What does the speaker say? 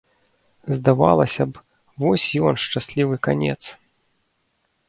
Здавалася б, вось ён шчаслівы канец.